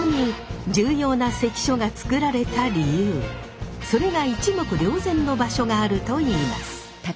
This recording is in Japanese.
ここにそれが一目瞭然の場所があるといいます。